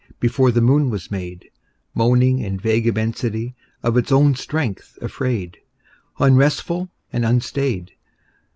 Before the moon was made, Moaning in vague immensity, Of its own strength afraid, Unresful and unstaid.